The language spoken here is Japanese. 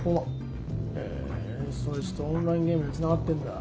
へえそいつとオンラインゲームでつながってんだ。